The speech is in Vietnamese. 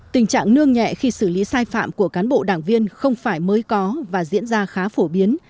tình trạng nương nhẹ khi xử lý sai phạm của cán bộ đảng viên không phải mới có và diễn ra khá phổ biến